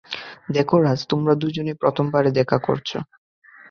দেখো রাজ, তোমরা দুজনই প্রথমবারের দেখা করেছো।